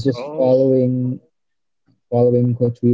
jadi gue cuma mengekori